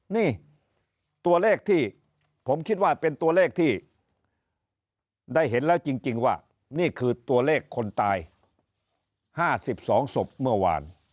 นี่ตัวเลขที่ผมคิดว่าเป็นตัวเลขที่ได้เห็นแล้วจริงว่านี่คือตัวเลขคนตาย๕๒ศพเมื่อวาน